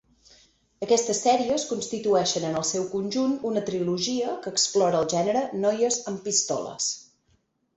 Aquestes sèries constitueixen en el seu conjunt una trilogia que explora el gènere "noies amb pistoles".